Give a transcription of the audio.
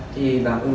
thì bảo ừ